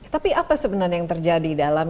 tapi apa sebenarnya yang terjadi dalam